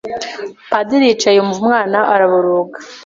Padiri yicaye yumva umwana araboroga